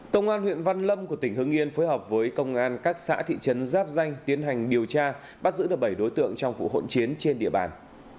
công an huyện văn lâm của tỉnh hưng yên phối hợp với công an các xã thị trấn giáp danh tiến hành điều tra bắt giữ được bảy đối tượng trong vụ hỗn chiến trên địa bàn